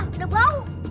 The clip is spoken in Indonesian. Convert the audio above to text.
masih bagus teh